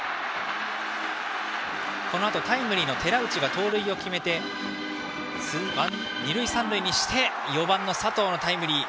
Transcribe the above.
このあと、タイムリーの寺内が盗塁を決めて二塁三塁にして４番の佐藤のタイムリー。